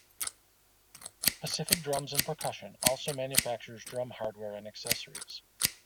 Pacific Drums and Percussion also manufactures drum hardware and accessories.